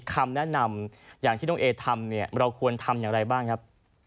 คำแนะนำอย่างที่น้องเอทำเนี่ยเราควรทำอย่างไรบ้างครับ